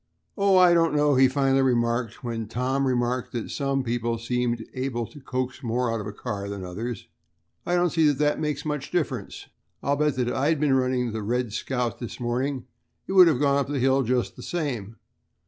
"Oh, I don't know," he finally remarked, when Tom remarked that some people seemed able to coax more out of a car than others, "I don't see that that makes much difference. I'll bet that if I had been running the 'Red Scout' this morning it would have gone up that hill just the same.